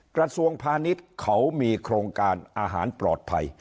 กระทรวงพาณิชย์เขามีโครงการอาหารปลอดภัย